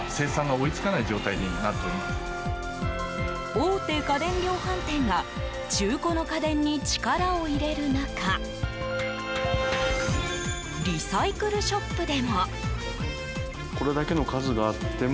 大手家電量販店が中古の家電に力を入れる中リサイクルショップでも。